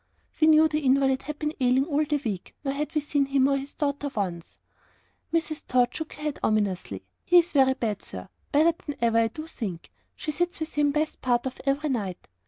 We knew the invalid had been ailing all the week, nor had we seen him or his daughter once. Mrs. Tod shook her head ominously. "He is very bad, sir; badder than ever, I do think. She sits up wi' him best part of every night."